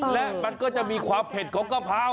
และมันก็จะมีความเผ็ดของกะเพรา